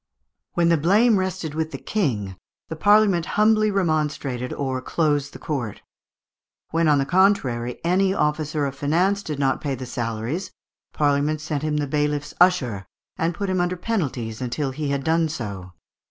When the blame rested with the King, the Parliament humbly remonstrated or closed the court. When, on the contrary, an officer of finance did not pay the salaries, Parliament sent him the bailiff's usher, and put him under certain penalties until he had done so.